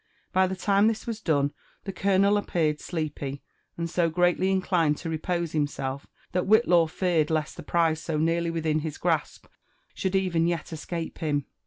By tlie time this was done, the colonel appeared sleepy, and so greatly inclined to repose himself that Whillaw feared lest the prize so nearly wilhin his grasp should even yet escape him.